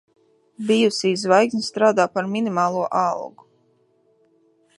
Bijusī zvaigzne strādā par minimālo algu.